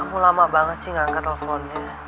aku lama banget sih ngangkat teleponnya